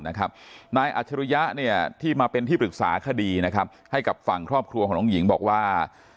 นายอัจฉริยะที่มาเป็นที่ปรึกษาคดีนะครับให้กับฝั่งครอบครัวของน้องหญิงบอกว่า